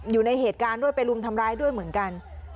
อยู่ในเหตุการณ์ด้วยไปรุมทำร้ายด้วยเหมือนกัน